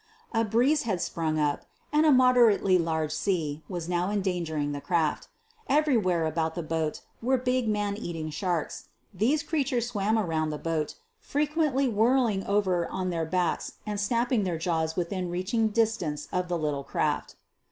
A breeze had sprung up and a moderately large sea was now endangering the craft. Everywhere about the boat were big man eating sharks. These crea tures swam around the boat, frequently whirling over on their backs and snapping their jaws within reaching distance of the little craft.